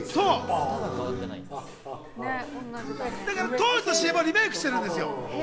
当時のＣＭをリメークしてるんですよ。